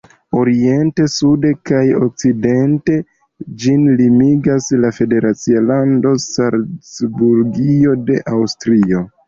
Oriente, sude kaj sudokcidente ĝin limigas la federacia lando Salcburgio de Aŭstrio.